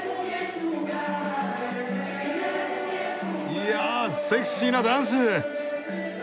いやあセクシーなダンス！